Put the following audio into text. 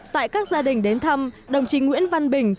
tại các gia đình đến thăm đồng chí nguyễn văn bình